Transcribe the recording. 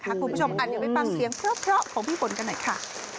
คุณผู้ชมเดี๋ยวไปฟังเสียงเพราะของพี่ฝนกันหน่อยค่ะ